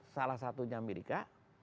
salah satunya amerika